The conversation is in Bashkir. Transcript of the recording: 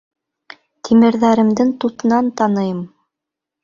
Тимерҙәремдең тутынан таныйым!